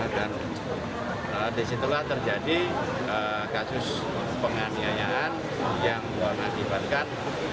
dan disitulah terjadi kasus penganiayaan yang mengakibatkan